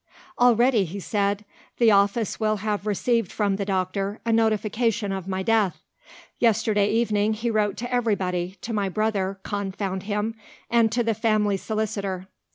"Already," he said, "the Office will have received from the doctor a notification of my death. Yesterday evening he wrote to everybody to my brother confound him! and to the family solicitor.